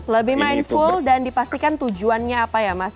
lebih mindful dan dipastikan tujuannya apa ya mas